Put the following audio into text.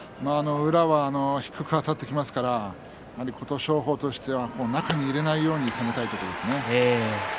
宇良は低くあたってきますから琴勝峰としては中に入れないように攻めたいですね。